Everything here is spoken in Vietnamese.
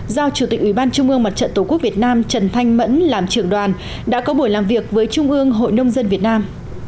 do chủ tịch ủy ban trung ương mặt trận tổ quốc việt nam trần thanh mẫn làm trưởng đoàn đã có buổi làm việc với trung ương hội nông dân việt nam